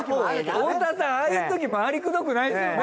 太田さんああいうとき回りくどくないですよね？